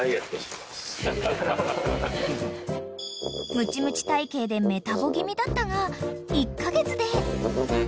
［ムチムチ体形でメタボ気味だったが１カ月で］